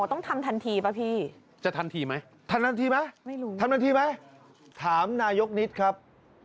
ทำทันทีไหมถามนายกนิตครับ